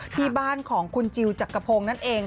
ที่บ้านของคุณจิลจักรพงศ์นั่นเอง